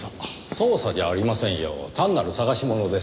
捜査じゃありませんよ単なる探し物です。